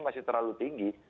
masih terlalu tinggi